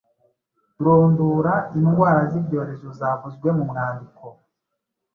Rondura indwara z’ibyorezo zavuzwe mu mwandiko.